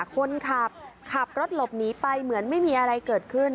คนขับขับรถหลบหนีไปเหมือนไม่มีอะไรเกิดขึ้น